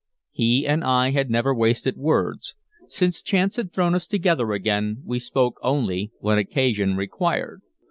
He and I had never wasted words; since chance had thrown us together again we spoke only when occasion required.